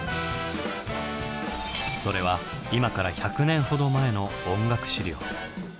それは今から１００年ほど前の音楽資料。